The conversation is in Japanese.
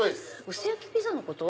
薄焼きピザのこと？